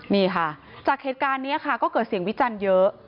นี่ค่ะจากเหตุการณ์นี้ค่ะก็เกิดเสียงวิจันทร์เยอะ